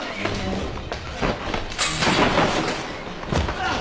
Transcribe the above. あっ！